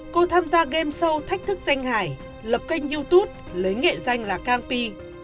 cô tham gia game show thách thức danh hải lập kênh youtube lấy nghệ danh là campi